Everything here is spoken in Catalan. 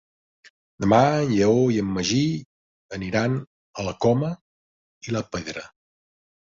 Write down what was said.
Demà en Lleó i en Magí aniran a la Coma i la Pedra.